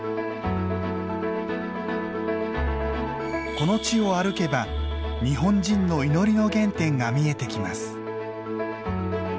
この地を歩けば日本人の祈りの原点が見えてきます。